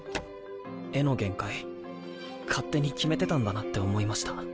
絵の限界勝手に決めてたんだなって思いました。